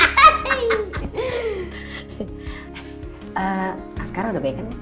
mas karo udah baik an